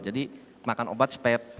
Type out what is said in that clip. jadi makan obat supaya